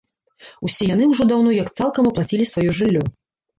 Усе яны ўжо даўно як цалкам аплацілі сваё жыллё.